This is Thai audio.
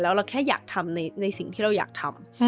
เราแค่อยากทำในสิ่งที่เราอยากทำ